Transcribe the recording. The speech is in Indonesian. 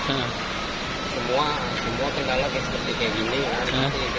semua semua tenggal lagi seperti ini